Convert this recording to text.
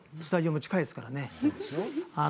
ほとんどスタジオも近いですからね。